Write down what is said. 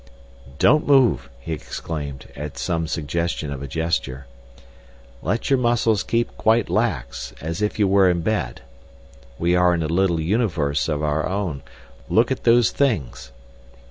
"Don't move," he exclaimed, at some suggestion of a gesture. "Let your muscles keep quite lax—as if you were in bed. We are in a little universe of our own. Look at those things!"